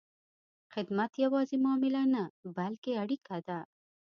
خدمت یوازې معامله نه، بلکې اړیکه ده.